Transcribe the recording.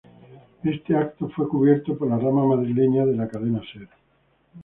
Este evento fue cubierto por la rama madrileña de la Cadena Ser.